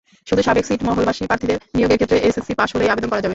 শুধু সাবেক ছিটমহলবাসী প্রার্থীদের নিয়োগের ক্ষেত্রে এসএসসি পাস হলেই আবেদন করা যাবে।